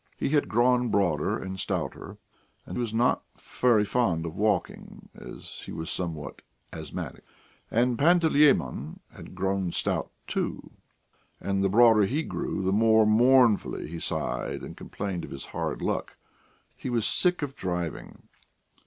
He had grown broader and stouter, and was not very fond of walking, as he was somewhat asthmatic. And Panteleimon had grown stout, too, and the broader he grew, the more mournfully he sighed and complained of his hard luck: he was sick of driving!